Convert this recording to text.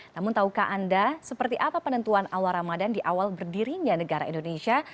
namun tahukah anda seperti apa penentuan awal ramadan di awal berdirinya negara indonesia